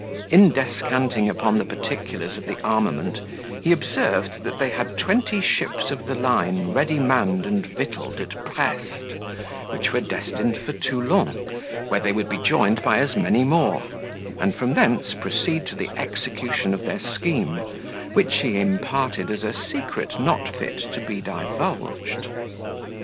In descanting upon the particulars of the armament, he observed that they had twenty ships of the line ready manned and victualled at Brest, which were destined for Toulon, where they would be joined by as many more; and from thence proceed to the execution of their scheme, which he imparted as a secret not fit to be divulged.